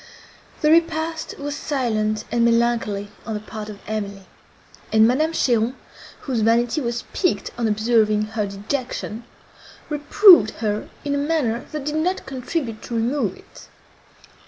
The repast was silent and melancholy on the part of Emily; and Madame Cheron, whose vanity was piqued on observing her dejection, reproved her in a manner that did not contribute to remove it.